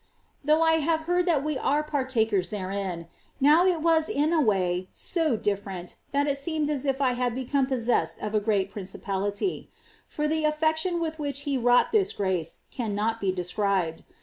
Though I have heard that we are partakers therein/ now it was in a way so different that it seemed as if I had become possessed of a great principality; for the aflPection with which He wrought this grace cannot be de scribed.